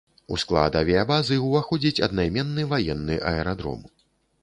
У склад авіябазы ўваходзіць аднайменны ваенны аэрадром.